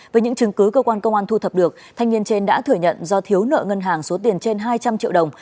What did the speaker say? với những chứng cứ cơ quan công an thu thập được thanh niên trên đã thừa nhận do thiếu nợ ngân hàng số tiền trên hai trăm linh triệu đồng